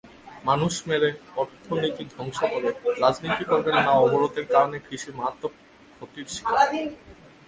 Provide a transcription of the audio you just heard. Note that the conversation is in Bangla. মানুষ মেরে, অর্থনীতি ধ্বংস করে রাজনীতি করবেন নাঅবরোধের কারণে কৃষিও মারাত্মক ক্ষতির শিকার।